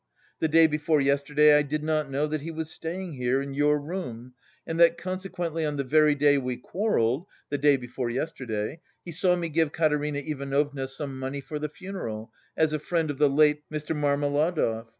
The day before yesterday I did not know that he was staying here, in your room, and that consequently on the very day we quarrelled the day before yesterday he saw me give Katerina Ivanovna some money for the funeral, as a friend of the late Mr. Marmeladov.